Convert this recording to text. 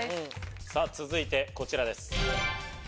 さぁ続いてこちらです。